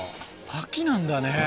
秋なんだね。